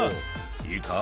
「いいか？